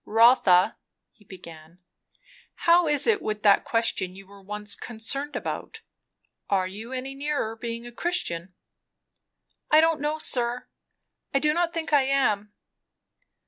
"Rotha " he began, "how is it with that question you were once concerned about? Are you any nearer being a Christian?" "I don't know, sir. I do not think I am."